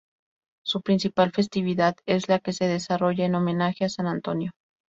Su principal festividad es la que se desarrolla en homenaje a San Antonio.